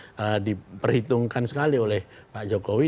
kelompok yang harus diperhitungkan sekali oleh pak jokowi